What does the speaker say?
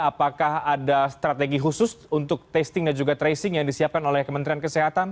apakah ada strategi khusus untuk testing dan juga tracing yang disiapkan oleh kementerian kesehatan